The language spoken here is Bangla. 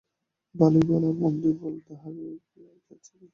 ভালোই বল আর মন্দই বল, তাহার আছে কী।